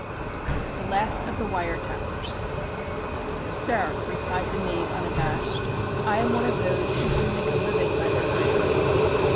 IV The Last of the Wire Tappers "Sir," replied the knave unabashed, "I am one of those who do make a living by their wits."